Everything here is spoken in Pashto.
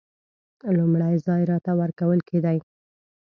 لومړی ځای راته ورکول کېدی.